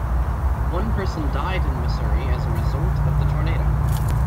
One person died in Masury as a result of the tornado.